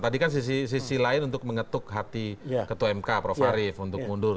tadi kan sisi lain untuk mengetuk hati ketua mk prof arief untuk mundur